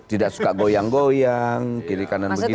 tidak suka goyang goyang kiri kanan begini